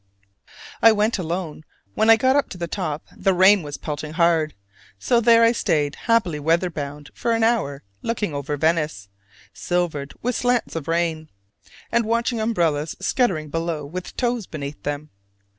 I went alone: when I got to the top the rain was pelting hard; so there I stayed happily weather bound for an hour looking over Venice "silvered with slants of rain," and watching umbrellas scuttering below with toes beneath them.